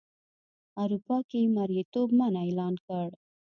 اروپا کې یې مریتوب منع اعلان کړ.